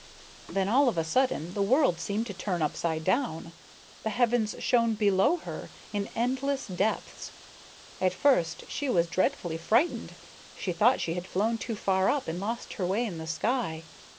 Then all of a sudden the world seemed to turn upside down. The heavens shone below her, in endless depths. At first she was dreadfully frightened; she thought she had flown too far up and lost her way in the sky.